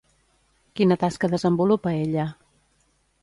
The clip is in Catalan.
Quina tasca desenvolupa ella?